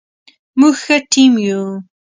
موږ ښه ټیم یو